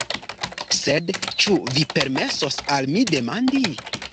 Sed ĉu vi permesos al mi demandi.